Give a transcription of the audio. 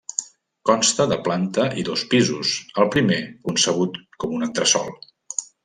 Consta de planta i dos pisos, el primer concebut com un entresòl.